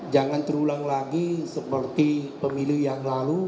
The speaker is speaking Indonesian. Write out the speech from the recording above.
jangan terulang lagi seperti pemilu yang lalu